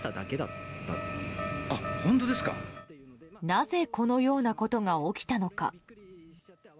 なぜこのようなことが起きたのか。